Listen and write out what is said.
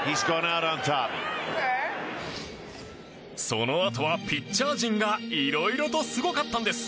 そのあとはピッチャー陣がいろいろとすごかったんです。